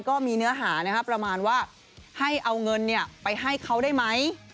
ก็มีเนื้อหานะครับประมาณว่าให้เอาเงินไปให้เขาได้ไหม